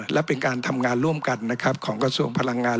และเป็นการทำงานร่วมกันนะครับของกระทรวงพลังงาน